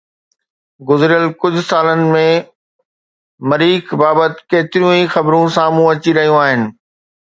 گذريل ڪجهه سالن ۾ مريخ بابت ڪيتريون ئي خبرون سامهون اچي رهيون آهن